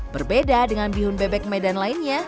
berbeda dengan bihun bebek medan lainnya